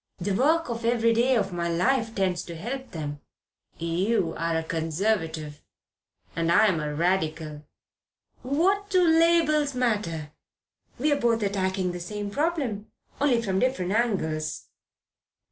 "The work of every day of my life tends to help them." "You're a Conservative and I'm a Radical." "What do labels matter? We're both attacking the same problem, only from different angles."